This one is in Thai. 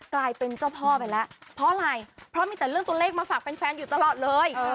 กลายเป็นเจ้าพ่อไปแล้วเพราะอะไรเพราะมีแต่เรื่องตัวเลขมาฝากแฟนอยู่ตลอดเลย